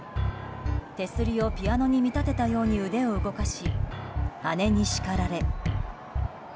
手すりをピアノに見立てたように腕を動かし姉に叱られ。